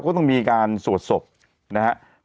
ก็ต้องมีการสวดศพนะครับ